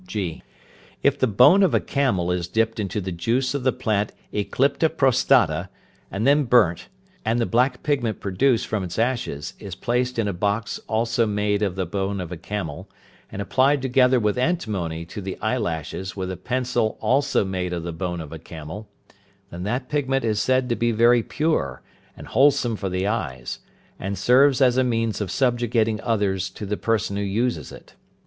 (g). If the bone of a camel is dipped into the juice of the plant eclipta prostata, and then burnt, and the black pigment produced from its ashes is placed in a box also made of the bone of a camel, and applied together with antimony to the eye lashes with a pencil also made of the bone of a camel, then that pigment is said to be very pure, and wholesome for the eyes, and serves as a means of subjugating others to the person who uses it.